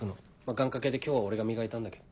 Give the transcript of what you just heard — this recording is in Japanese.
願掛けで今日は俺が磨いたんだけど。